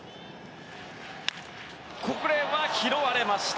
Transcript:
これは拾われました。